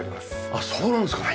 あっそうなんですか！